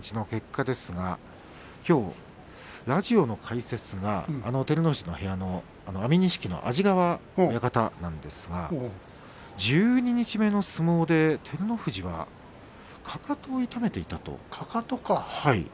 幕内の結果ですがきょうラジオの解説が照ノ富士の部屋の安美錦の安治川親方なんですが十二日目の相撲で照ノ富士はかかとを痛めていたと。